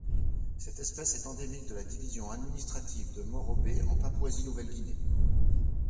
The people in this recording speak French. Cette espèce est endémique de la division administrative de Morobe en Papouasie-Nouvelle-Guinée.